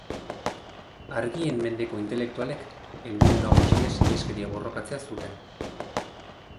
Argien mendeko intelektualek helburu nagusia sineskeria borrokatzea zuten.